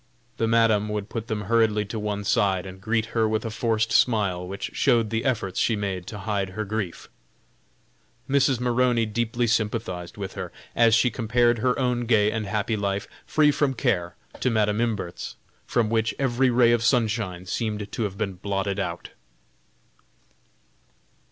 The Madam would put them hurriedly to one side, and greet her with a forced smile which showed the efforts she made to hide her grief. Mrs. Maroney deeply sympathized with her, as she compared her own gay and happy life, free from care, to Madam Imbert's, from which every ray of sunshine seemed to have been blotted out.